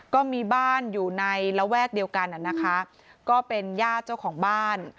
ก็มีบ้านอยู่ในระแวกเดียวกันอ่ะนะคะก็เป็นญาติเจ้าของบ้าน